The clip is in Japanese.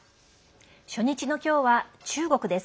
初日の今日は中国です。